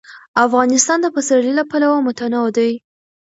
افغانستان د پسرلی له پلوه متنوع دی.